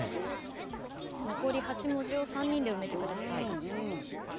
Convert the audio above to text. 残り８文字を３人で埋めてください。